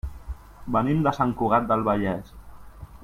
Venim de Sant Cugat del Vallès.